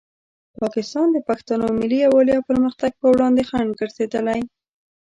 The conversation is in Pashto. پاکستان د پښتنو ملي یووالي او پرمختګ په وړاندې خنډ ګرځېدلی.